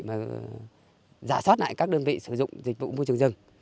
và giả soát lại các đơn vị sử dụng dịch vụ môi trường rừng